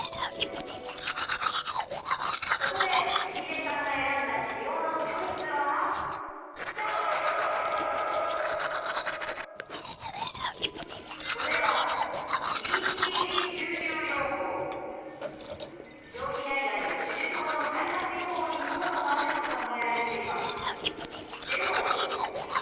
そこで関根さんが選んだ治療のチョイスはそれは上皮内がんや手術後の再発予防に効果があると考えられています。